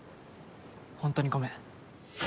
ホントにごめん。